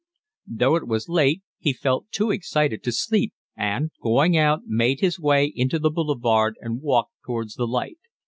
Though it was late he felt too excited to sleep and, going out, made his way into the boulevard and walked towards the light.